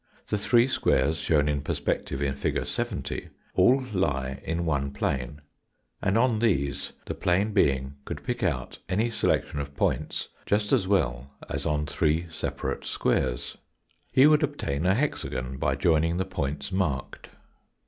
The three squares, shown in perspective in fig. 70, all lie in one plane, and on these the plane being could pick out any selection of points just as well as on three separate squares. He would obtain a hexagon by joining the points marked.